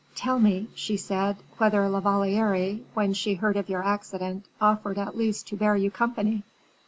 "Tell me," she said, "whether La Valliere, when she heard of your accident, offered at least to bear you company?"